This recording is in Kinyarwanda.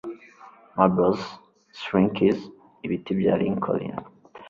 marbles, slinkys, ibiti bya lincoln